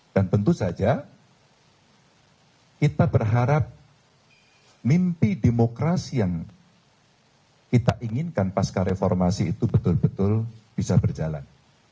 dan tentu saja kita berharap mimpi demokrasi yang kita inginkan pas kareformasi itu betul betul bisa berjalan